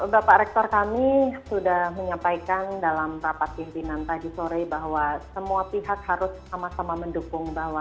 bapak rektor kami sudah menyampaikan dalam rapat pimpinan tadi sore bahwa semua pihak harus sama sama mendukung bahwa